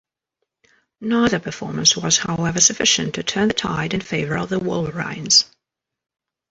Neither performance was, however, sufficient to turn the tide in favor of the Wolverines.